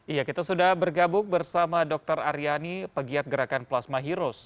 iya kita sudah bergabung bersama dr aryani pegiat gerakan plasma heroes